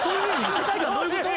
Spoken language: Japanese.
世界観どういうこと？